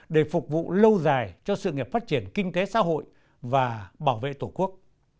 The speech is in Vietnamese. để phục vụ lâu dài cho sự nghiệp phát triển kinh tế xã hội và bảo vệ tổ quốc